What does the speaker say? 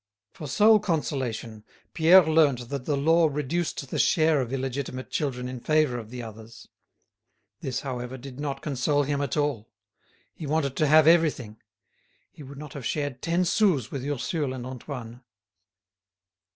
For sole consolation, Pierre learnt that the law reduced the share of illegitimate children in favour of the others. This, however, did not console him at all. He wanted to have everything. He would not have shared ten sous with Ursule and Antoine.